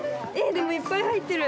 でもいっぱい入ってる！